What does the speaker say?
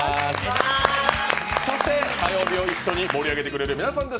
そして火曜日を一緒に盛り上げてくれる皆さんです。